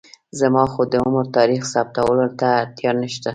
زما خو د عمر تاریخ ثابتولو ته اړتیا نشته.